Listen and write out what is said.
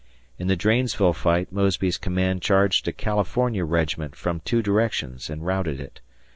In the Dranesville fight Mosby's command charged a California regiment from two directions and routed it.